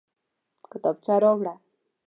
کتابچه راوړه